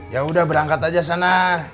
yaudah berangkat aja sana